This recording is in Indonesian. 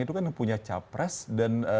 itu kan punya capres dan